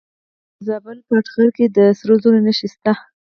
د زابل په اتغر کې د سرو زرو نښې شته.